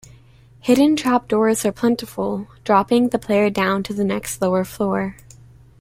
Hidden trapdoors are plentiful, dropping the player down to the next lower floor.